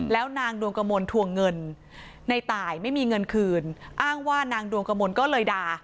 แล้วนางดวงกระมวลทวงเงินในตายไม่มีเงินคืนอ้างว่านางดวงกระมวลก็เลยด่า